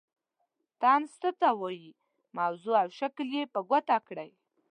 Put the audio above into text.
طنز څه ته وايي موضوع او شکل یې په ګوته کړئ.